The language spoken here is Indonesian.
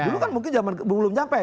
dulu kan mungkin belum sampai